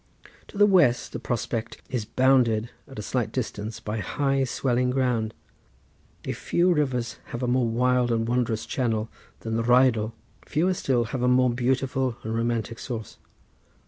To the west the prospect is bounded, at a slight distance, by high, swelling ground. If few rivers have a more wild and wondrous channel than the Rheidol, fewer still have a more beautiful and romantic source.